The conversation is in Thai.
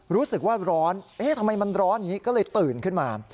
รู้สึกว่าร้อนเอ๊ะทำไมมันร้อนอย่างนี้ก็เลยตื่นขึ้นมา